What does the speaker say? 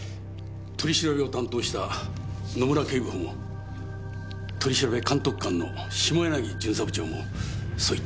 取り調べを担当した野村警部補も取調監督官の下柳巡査部長もそう言ってます。